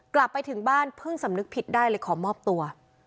กลับไปถึงบ้านเพิ่งสำนึกผิดได้เลยขอมอบตัว